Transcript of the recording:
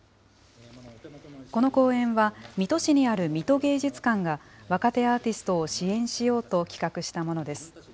この公演は、水戸市にある水戸芸術館が、若手アーティストを支援しようと企画したものです。